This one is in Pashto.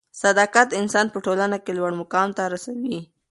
صدافت انسان په ټولنه کښي لوړ مقام ته رسوي.